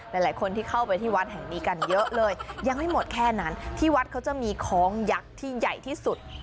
หลายคนที่เข้าไปที่วัดแห่งนี้กันเยอะเลยยังไม่หมดแค่นั้นที่วัดเขาจะมีคล้องยักษ์ที่ใหญ่ที่สุด